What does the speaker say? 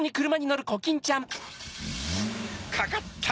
かかった！